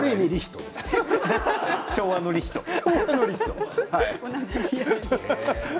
昭和のリヒトです。